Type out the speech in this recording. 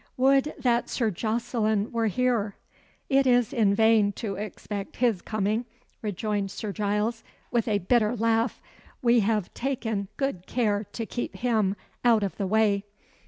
"Would that Sir Jocelyn were here!" "It is in vain to expect his coming," rejoined Sir Giles, with a bitter laugh. "We have taken good care to keep him out of the way."